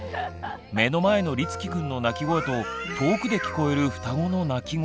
目の前のりつきくんの泣き声と遠くで聞こえる双子の泣き声。